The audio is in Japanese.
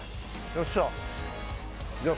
よっしゃ。